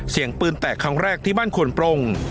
เสียงปืนแตกครั้งแรกที่บ้านควนปรง